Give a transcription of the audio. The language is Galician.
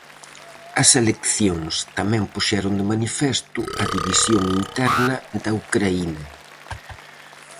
As eleccións tamén puxeron de manifesto a división interna da Ucraína.